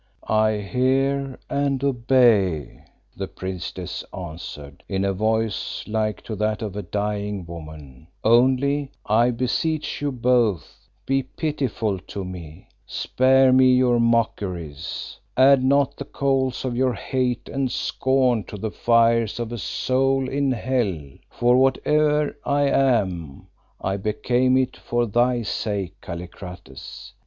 "I hear and obey," the Priestess answered, in a voice like to that of a dying woman, "only, I beseech you both, be pitiful to me, spare me your mockeries; add not the coals of your hate and scorn to the fires of a soul in hell, for whate'er I am, I became it for thy sake, Kallikrates.